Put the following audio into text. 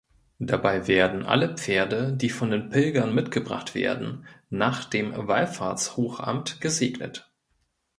Dabei werden alle Pferde, die von den Pilgern mitgebracht werden, nach dem Wallfahrts-Hochamt gesegnet.